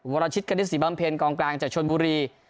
วรชิตกณิตศิบัมเพลงกลางกลางจากชนบุรี